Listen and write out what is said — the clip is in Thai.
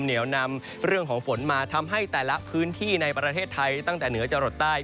เหนียวนำเรื่องของฝนมาทำให้แต่ละพื้นที่ในประเทศไทยตั้งแต่เหนือจะหลดใต้